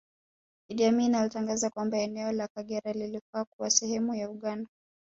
Idi Amin alitangaza kwamba eneo la Kagera lilifaa kuwa sehemu ya Uganda